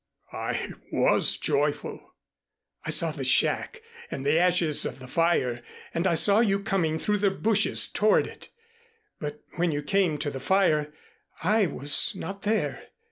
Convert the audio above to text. "I was joyful." "I saw the shack and the ashes of the fire and I saw you coming through the bushes toward it. But when you came to the fire I was not there.